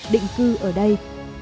định cư ở đây